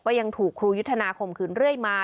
ยังถูกครูยุทธนาข่มขืนเรื่อยมา